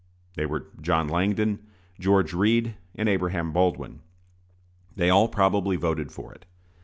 They were John Langdon, George Read, and Abraham Baldwin. They all probably voted for it.